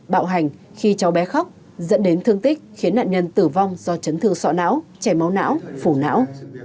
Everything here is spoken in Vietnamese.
bạo hành khi cháu bé khóc dẫn đến thương tích khiến nạn nhân tử vong do chấn thương sọ não chảy máu não phủ não